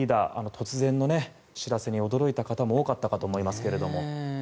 突然の知らせに驚いた方も多かったと思いますが。